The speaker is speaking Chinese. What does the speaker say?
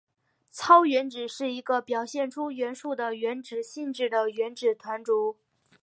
超原子是一个表现出元素的原子性质的原子团簇。